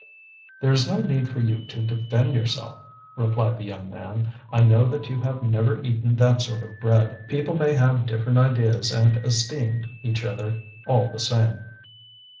"There is no need for you to defend yourself," replied the young man. "I know that you have never eaten that sort of bread. People may have different ideas and esteem each other all the same."